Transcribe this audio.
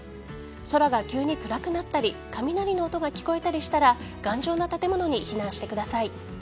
空が急に暗くなったり雷の音が聞こえたりしたら頑丈な建物に避難してください。